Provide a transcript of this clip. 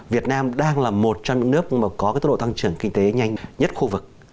việt nam đang là một trong những nước mà có cái tốc độ tăng trưởng kinh tế nhanh nhất khu vực